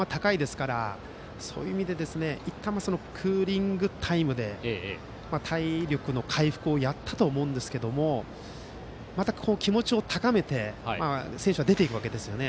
今日は風はありますけど気温は高いですからそういう意味で１回、クーリングタイムで体力の回復をやったと思うんですがまた気持ちを高めて選手は出て行くわけですよね。